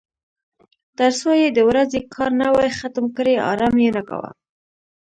تر څو یې د ورځې کار نه وای ختم کړی ارام یې نه کاوه.